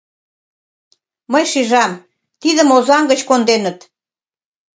— Мый шижам: тидым Озаҥ гыч конденыт.